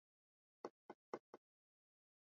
wachache yaliyopewa hadhi ya pekee kwa sababu ni maeneo